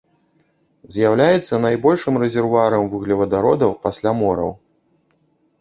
З'яўляецца найбольшым рэзервуарам вуглевадародаў пасля мораў.